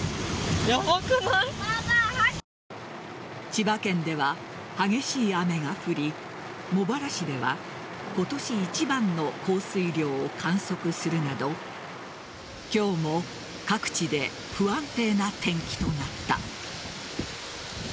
千葉県では激しい雨が降り茂原市では今年一番の降水量を観測するなど今日も各地で不安定な天気となった。